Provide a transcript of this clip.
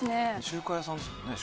中華屋さんですもんね